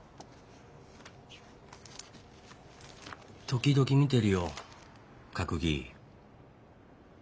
時々見てるよ閣議。